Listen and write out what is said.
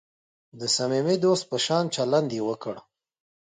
د صمیمي دوست په شان چلند یې وکړ.